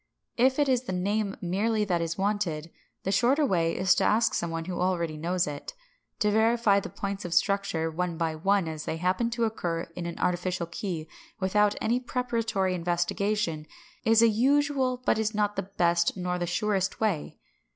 If it is the name merely that is wanted, the shorter way is to ask some one who already knows it. To verify the points of structure one by one as they happen to occur in an artificial key, without any preparatory investigation, is a usual but is not the best nor the surest way.